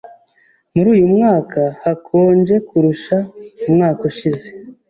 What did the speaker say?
Muri uyu mwaka hakonje kurusha umwaka ushize.